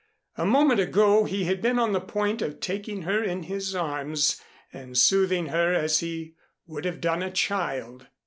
A moment ago he had been on the point of taking her in his arms and soothing her as he would have done a child.